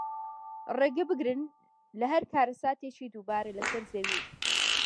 ڕێگەبگرن لە هەر کارەساتێکی دووبارە لەسەر زەوی